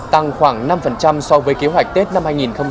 tăng khoảng năm so với kế hoạch tết năm hai nghìn hai mươi